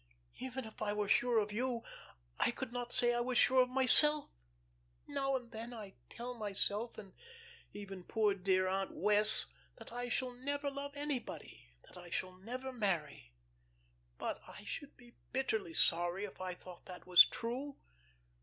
Even if I were sure of you, I could not say I was sure of myself. Now and then I tell myself, and even poor, dear Aunt Wess', that I shall never love anybody, that I shall never marry. But I should be bitterly sorry if I thought that was true.